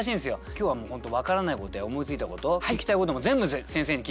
今日はもう本当分からないことや思いついたこと聞きたいことも全部先生に聞いて頂ければ。